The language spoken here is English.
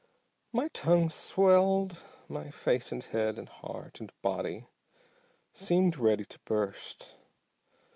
My tongue swelled, my face and head and heart and body seemed ready to burst.